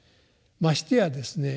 ましてやですね